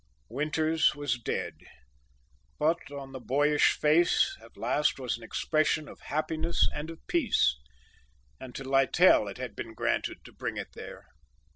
Winters was dead, but on the boyish face at last was an expression of happiness and of peace, and to Littell it had been granted to bring it there.